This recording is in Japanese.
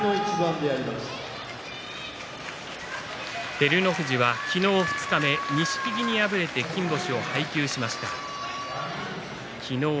照ノ富士は昨日錦木に敗れて金星を配給しました。